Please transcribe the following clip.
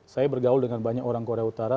saya bergaul dengan banyak orang korea utara